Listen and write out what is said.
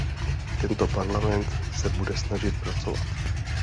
Tento Parlament se bude snažit pracovat.